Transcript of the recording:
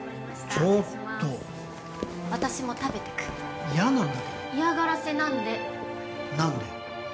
ちょっと私も食べてく嫌なんだけど嫌がらせなんで何で？